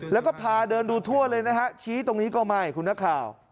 แล้วก็พาเดินดูทั่วเลยนะฮะชี้ตรงนี้ก็ไม่คุณนักข่าว